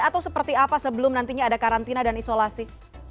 atau seperti apa sebelum nantinya ada karantina dan isolasi